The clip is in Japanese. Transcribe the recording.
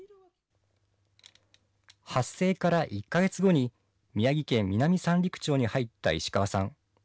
発生から１か月後に、宮城県南三陸町に入った石川さん。